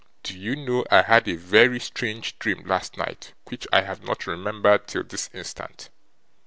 Do you know, I had a very strange dream last night, which I have not remembered till this instant.